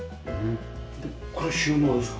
これ収納ですか？